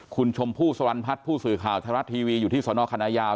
คุณชมพู่สรรพัฒน์ผู้สื่อข่าวไทยรัฐทีวีอยู่ที่สนคณะยาว